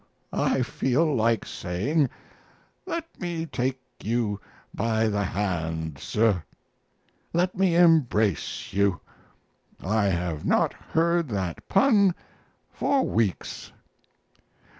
I feel like saying, "Let me take you by the hand, sir; let me embrace you; I have not heard that pun for weeks."